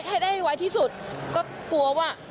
ให้ได้ไวที่สุดก็กลัวว่า